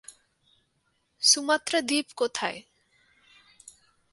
Sumatra দ্বীপ কোথায়?